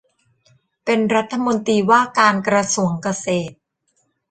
เป็นรัฐมนตรีว่าการกระทรวงเกษตร